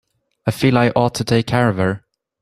I feel I ought to take care of her.